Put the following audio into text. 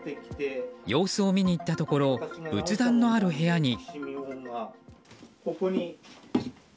様子を見に行ったところ仏壇のある部屋に。